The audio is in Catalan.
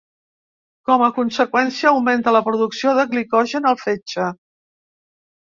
Com a conseqüència augmenta la producció de glicogen al fetge.